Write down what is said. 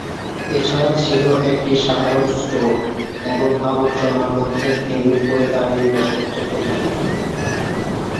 এছাড়া ছিল একটি সাধারণ স্টোর এবং আবর্জনার মধ্যে হেলমেট পরে দাড়িয়ে প্রশ্নোত্তর প্রতিযোগিতা।